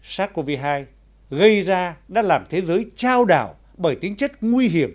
sars cov hai gây ra đã làm thế giới trao đảo bởi tính chất nguy hiểm